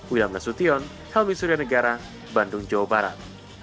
wilham nasution helmi surya negara bandung jawa barat